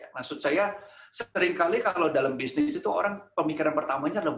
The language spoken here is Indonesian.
maksud saya seringkali kalau dalam bisnis itu orang pemikiran pertamanya adalah